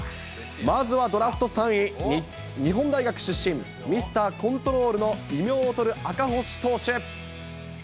まずはドラフト３位、日本大学出身、ミスターコントロールの異名を取る赤星投手。